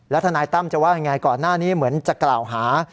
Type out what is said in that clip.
ทนายตั้มจะว่ายังไงก่อนหน้านี้เหมือนจะกล่าวหา